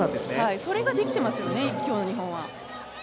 それができてますよね、今日の日本は。